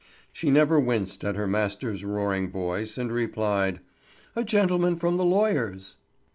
She never winced at her master's roaring voice, and replied: "A gentleman from the lawyer's."